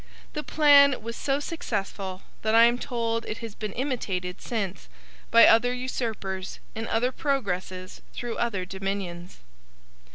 The plan was so successful that I am told it has been imitated since, by other usurpers, in other progresses through other dominions.